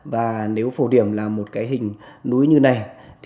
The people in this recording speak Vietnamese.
và nếu phổ điểm là một cái hình núi như này